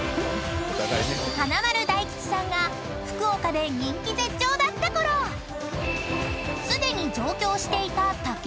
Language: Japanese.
［華丸・大吉さんが福岡で人気絶頂だったころすでに上京していた竹山さんは］